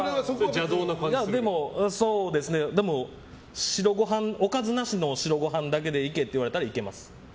でもおかずなしの白ご飯だけでいけって言われたら、いけます。